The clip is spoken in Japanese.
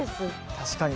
確かに。